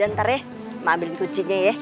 udah ntar ya ma ambilin kuncinya ya